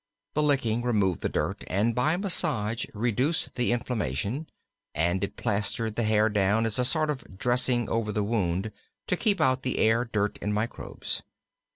The licking removed the dirt, and by massage reduced the inflammation, and it plastered the hair down as a sort of dressing over the wound to keep out the air, dirt, and microbes.